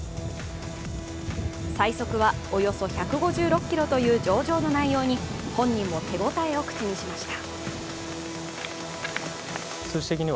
最速はおよそ１５６キロというという上々の内容に本人も手応えを口にしました。